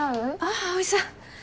あ葵さん。